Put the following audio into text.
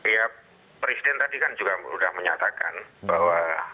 ya presiden tadi kan juga sudah menyatakan bahwa